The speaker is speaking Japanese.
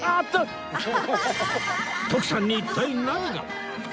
徳さんに一体何が！？